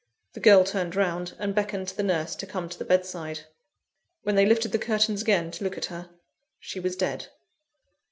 The girl turned round, and beckoned to the nurse to come to the bedside. When they lifted the curtains again to look at her, she was dead.